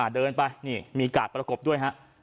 เดินไปมีกาดประกบด้วย